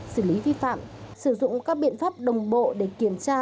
xử lý vi phạm sử dụng các biện pháp đồng bộ để kiểm tra